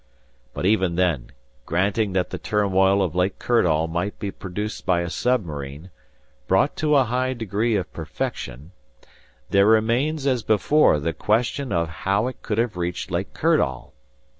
"But even then, granting that the turmoil of Lake Kirdall might be produced by a submarine, brought to a high degree of perfection, there remains as before the question how could it have reached Lake Kirdall?